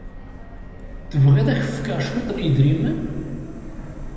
Tebɣiḍ ad ak-fkeɣ cwiṭ n yedrimen?